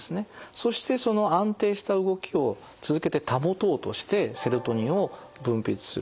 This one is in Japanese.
そしてその安定した動きを続けて保とうとしてセロトニンを分泌する。